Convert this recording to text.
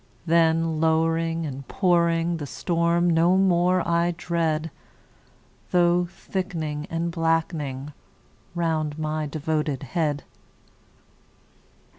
Then low'ring, and pouring, The storm no more I dread; Tho' thick'ning, and black'ning, Round my devoted head.